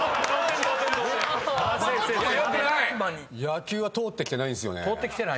野球は通ってきてないんすよね。